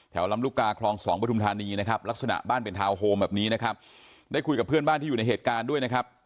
ลำลูกกาคลองสองปฐุมธานีนะครับลักษณะบ้านเป็นทาวน์โฮมแบบนี้นะครับได้คุยกับเพื่อนบ้านที่อยู่ในเหตุการณ์ด้วยนะครับ